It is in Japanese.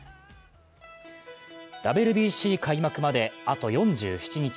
ＷＢＣ開幕まで、あと４７日。